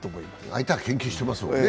相手は研究してますもんね。